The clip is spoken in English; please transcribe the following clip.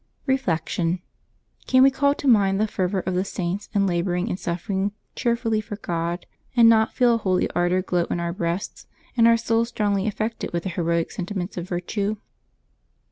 Reflection. — Can we call to mind the fervor of the Saints in laboring and suffering cheerfully for God, and not feel a holy ardor glow in our own breasts, and our souls strongly affected with their heroic sentiments of virtue?